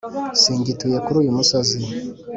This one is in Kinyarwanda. singituye kuri uyu musozi.”